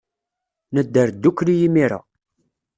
Nedder ddukkli imir-a.